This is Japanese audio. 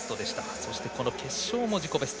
そして、決勝も自己ベスト。